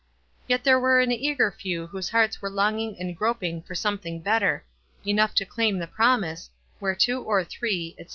Yet there were an eager few whose hearts were longing and groping for something better — enough to claim the prom ise, "Where two or three," etc.